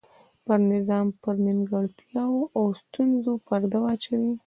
پر نظام پر نیمګړتیاوو او ستونزو پرده واچوي.